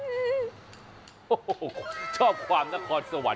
โอ้โหชอบความนครสวรรค